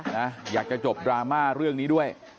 อยากจะจบดราม่าเรื่องนี้ด้วย